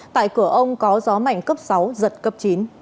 tại cửa ông có gió mạnh cấp sáu giật cấp chín